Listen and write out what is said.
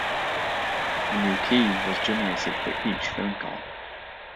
A new key was generated for each phone call.